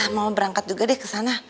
mama berangkat juga deh kesana